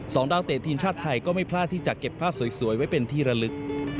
ดาวเตะทีมชาติไทยก็ไม่พลาดที่จะเก็บภาพสวยไว้เป็นที่ระลึก